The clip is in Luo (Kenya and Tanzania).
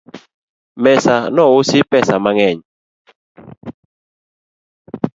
Mesa nousi pesa mang'eny